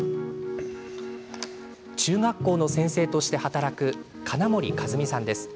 中学校の先生として働く金森和美さんです。